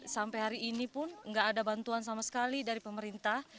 sampai hari ini pun nggak ada bantuan sama sekali dari pemerintah